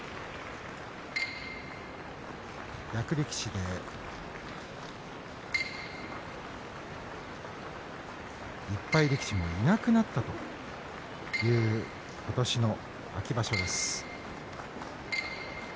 役力士で１敗力士もいなくなったという今年の秋場所です。